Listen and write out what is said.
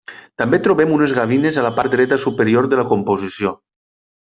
També trobem unes gavines a la part dreta superior de la composició.